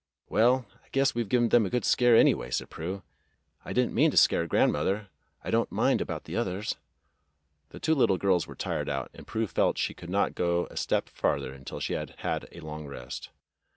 "Well, I guess we've given them a good scare, any way," said Prue. "I didn't mean to scare grand' mother. I don't mind about the others." The two little girls were tired out, and Prue felt she could not go a step farther until she had had a long rest.